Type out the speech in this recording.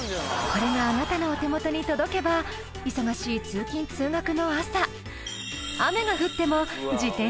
これがあなたのお手元に届けば忙しい通勤通学の朝。